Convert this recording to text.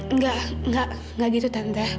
enggak enggak gitu tante